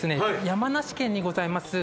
山梨県にございます